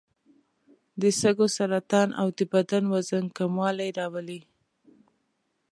د سږو سرطان او د بدن وزن کموالی راولي.